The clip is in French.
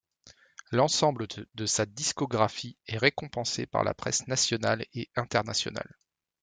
L’ensemble de sa discographie est récompensée par la presse nationale et internationale.